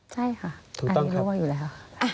ใช่ค่ะอันนี้รั่วอยู่แล้ว